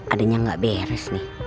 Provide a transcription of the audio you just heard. adanya gak beres nih